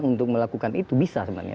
untuk melakukan itu bisa sebenarnya